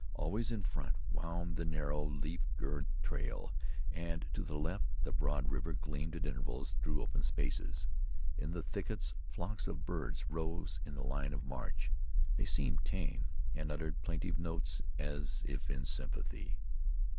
Always in front wound the narrow, leaf girt trail, and to the left the broad river gleamed at intervals through open spaces in the thickets. Flocks of birds rose in the line of march. They seemed tame, and uttered plaintive notes as if in sympathy.